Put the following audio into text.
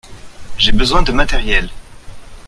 J'ai besoin de matériels.